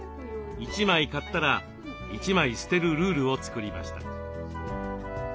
１枚買ったら１枚捨てるルールを作りました。